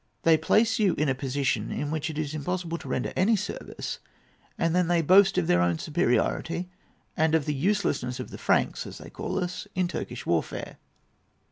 They place you in a position in which it is impossible to render any service, and then they boast of their own superiority, and of the uselessness of the Franks, as they call us, in Turkish warfare."